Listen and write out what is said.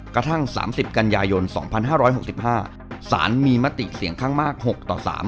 กระทั่ง๓๐กันยายน๒๕๖๕สารมีมติเสียงข้างมาก๖ต่อ๓